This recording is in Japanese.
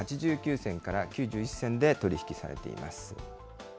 ８９銭から９１銭で取り引きされています。